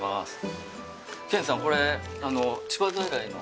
健司さんこれ千葉在来の。